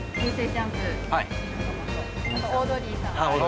ＪＵＭＰの皆さまとオードリーさん。